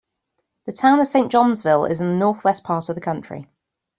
The Town of Saint Johnsville is in the northwest part of the county.